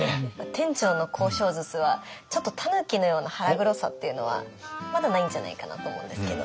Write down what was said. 店長の交渉術はちょっとたぬきのような腹黒さっていうのはまだないんじゃないかなと思うんですけど。